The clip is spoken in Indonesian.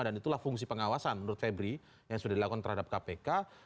dan itulah fungsi pengawasan menurut febri yang sudah dilakukan terhadap kpk